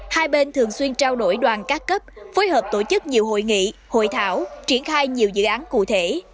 hai bên thường xuyên trao đổi đoàn các cấp phối hợp tổ chức nhiều hội nghị hội thảo triển khai nhiều dự án cụ thể